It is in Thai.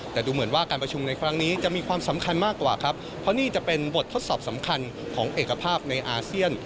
ทดสอบสำคัญของเอกภาพในอาเซียน